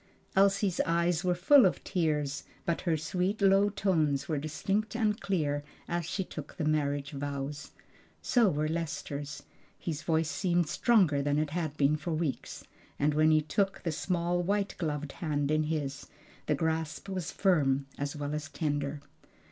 Elsie's eyes were full of tears, but her sweet low tones were distinct and clear as she took the marriage vows. So were Lester's; his voice seemed stronger than it had been for weeks, and when he took the small white gloved hand in his, the grasp was firm as well as tender.